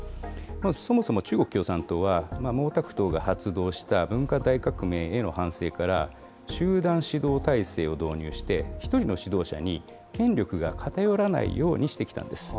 そもそも中国共産党は、毛沢東が発動した文化大革命への反省から、集団指導体制を導入して、１人の指導者に権力が偏らないようにしてきたんです。